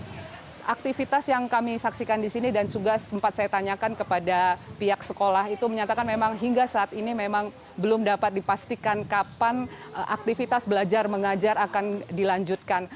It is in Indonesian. jadi aktivitas yang kami saksikan di sini dan juga sempat saya tanyakan kepada pihak sekolah itu menyatakan memang hingga saat ini memang belum dapat dipastikan kapan aktivitas belajar mengajar akan dilanjutkan